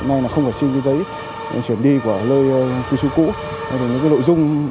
nay là không phải xin giấy chuyển đi của lơi cư trú cũ